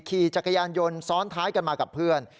ขี่จักรยานยนต์ซ้อนท้ายกันมากับเพื่อน